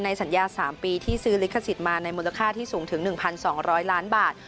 สัญญา๓ปีที่ซื้อลิขสิทธิ์มาในมูลค่าที่สูงถึง๑๒๐๐ล้านบาท